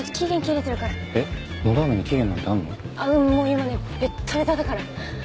もう今ねベッタベタだから。